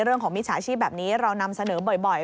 มิจฉาชีพแบบนี้เรานำเสนอบ่อย